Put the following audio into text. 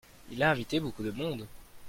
Il a invité beaucoup de monde.